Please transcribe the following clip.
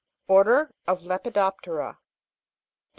ORDER OF LEPIDOP'TERA. 15.